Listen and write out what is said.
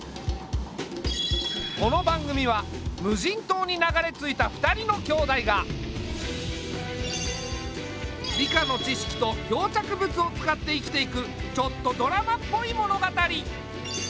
この番組は無人島に流れ着いた２人の兄妹が理科の知識と漂着物を使って生きていくちょっとドラマっぽい物語。